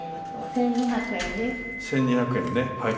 １２００円ねはい。